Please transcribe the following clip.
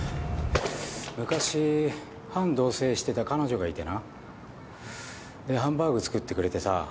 昔半同棲してた彼女がいてな。でハンバーグ作ってくれてさ。